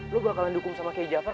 lo bakalan dihukum sama qiyai jafar